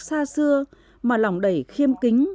xa xưa mà lòng đầy khiêm kính